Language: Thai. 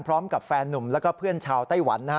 พร้อมกับแฟนนุ่มแล้วก็เพื่อนชาวไต้หวันนะฮะ